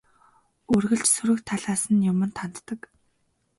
Үргэлж сөрөг талаас нь юманд ханддаг.